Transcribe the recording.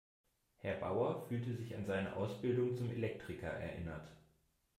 Herr Bauer fühlte sich an seine Ausbildung zum Elektriker erinnert.